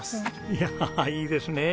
いやあいいですね。